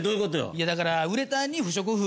いやだからウレタンに不織布。